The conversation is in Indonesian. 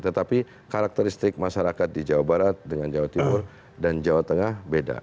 tetapi karakteristik masyarakat di jawa barat dengan jawa timur dan jawa tengah beda